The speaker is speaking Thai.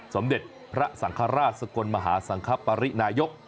สมเด็จพระสังฆราชสกลมหาสังคปรินายก